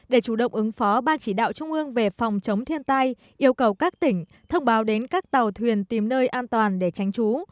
để chủ động ứng phó ban chỉ đạo trung ương về phòng chống thiên tai yêu cầu các tỉnh thông báo đến các tàu thuyền tìm nơi an toàn để tránh trú